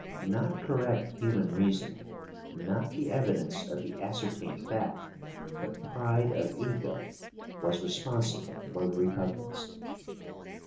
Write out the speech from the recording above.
Not correct human reason, not the evidence of the ascertained fact, but pride of ego, was responsible for the repugnance.